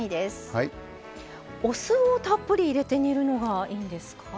お酢をたっぷり入れて煮るのがいいんですか？